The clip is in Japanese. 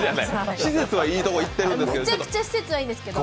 施設はいいところに行ってるんですけど。